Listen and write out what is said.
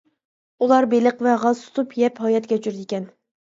ئۇلار بېلىق ۋە غاز تۇتۇپ يەپ ھايات كەچۈرىدىكەن.